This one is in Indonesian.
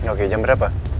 oke jam berapa